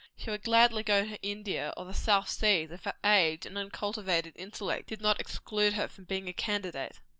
She would gladly go to India, or the South Seas, if her age and uncultivated intellect did not exclude her from being a candidate.